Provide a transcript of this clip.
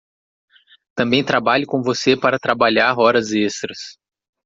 Também trabalhe com você para trabalhar horas extras.